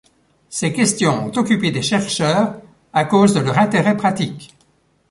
Ces questions ont occupé des chercheurs, à cause de leur intérêt pratique.